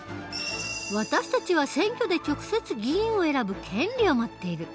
私たちは選挙で直接議員を選ぶ権利を持っている。